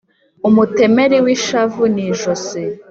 Umutemeli wishavu ni ijosi.